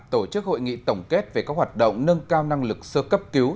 tổ chức hội nghị tổng kết về các hoạt động nâng cao năng lực sơ cấp cứu